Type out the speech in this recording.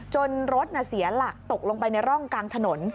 รถเสียหลักตกลงไปในร่องกลางถนน